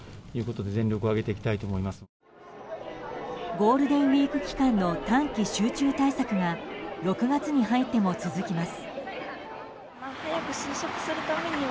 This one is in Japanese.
ゴールデンウィーク期間の短期集中対策が６月に入っても続きます。